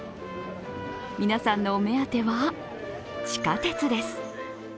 皆さんのお目当ては、地下鉄です。